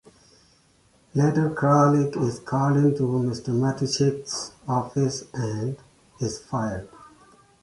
Later Kralik is called into Mr. Matuschek's office-and is fired.